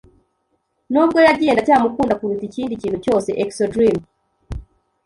Nubwo yagiye, ndacyamukunda kuruta ikindi kintu cyose. (exodream)